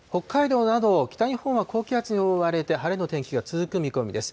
北海道など北日本は高気圧に覆われて晴れの天気が続く見込みです。